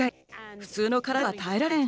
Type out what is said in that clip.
普通の体では耐えられません。